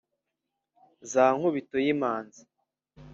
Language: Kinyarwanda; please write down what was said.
za nkubitoyimanzi